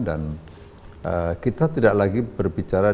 dan kita tidak lagi berbicara